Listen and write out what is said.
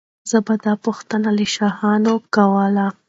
زه به دا پوښتنه له شاهانو کوله.